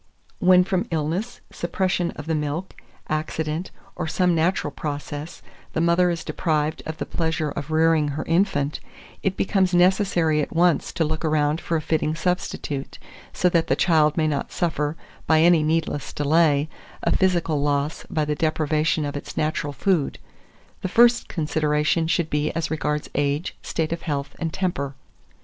2438. When from illness, suppression of the milk, accident, or some natural process, the mother is deprived of the pleasure of rearing her infant, it becomes necessary at once to look around for a fitting substitute, so that the child may not suffer, by any needless delay, a physical loss by the deprivation of its natural food. The first consideration should be as regards age, state of health, and temper.